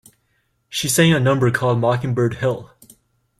She sang a number called "Mockingbird Hill".